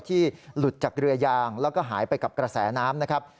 หลุดจากเรือยางแล้วก็หายไปกับกระแสน้ำนะครับ